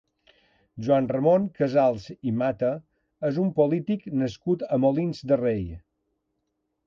Joan Ramon Casals i Mata és un polític nascut a Molins de Rei.